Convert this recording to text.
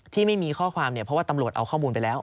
ที่ไม่มีข้อความเนี่ยเพราะว่าตำรวจเอาข้อมูลไปแล้ว